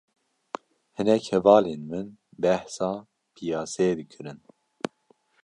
Hinek hevalên min behsa piyasê dikirin